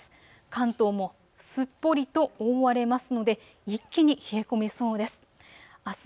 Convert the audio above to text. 関東もすっぽりと覆われますので一気に冷え込みそうです。